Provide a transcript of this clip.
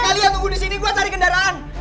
kalian tunggu disini gua cari kendaraan